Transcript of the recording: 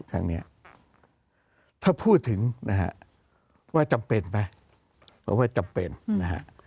ครั้งนี้ถ้าพูดถึงนะฮะว่าจำเป็นไหมว่าจำเป็นนะฮะ